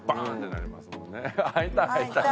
「会いたい会いたい」。